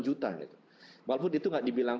delapan juta gitu walaupun itu gak dibilang